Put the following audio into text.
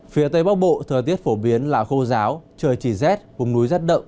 phía tây bắc bộ thời tiết phổ biến là khô ráo trời chỉ rét vùng núi giát đậm